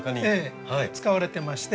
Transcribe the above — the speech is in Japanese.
使われてまして。